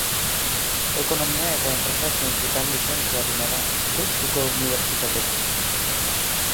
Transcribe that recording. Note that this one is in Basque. Ekonomia eta enpresa zientzietan lizentziaduna da Deustuko Unibertsitatetik.